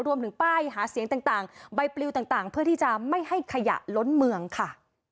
รวมถึงป้ายหาเสียงต่างใบปลิวต่างเพื่อที่จะไม่ให้ขยะล้นเมืองค่ะ